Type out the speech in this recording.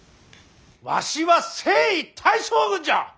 わしは征夷大将軍じゃ！